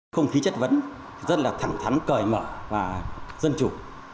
không khí chất vấn rất là thẳng thắn cởi mở và dân chủ